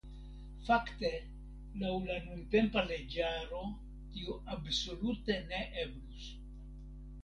Fakte laŭ la nuntempa leĝaro tio absolute ne eblus.